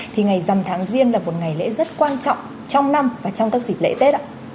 thì ngày dằm tháng riêng là một ngày lễ rất quan trọng trong năm và trong các dịp lễ tết ạ